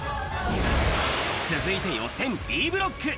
続いて、予選Ｂブロック。